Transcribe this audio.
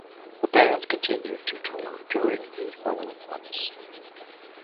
The band continued to tour during the following months.